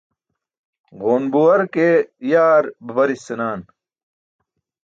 Ġoon buware ke yaar babaris senaan.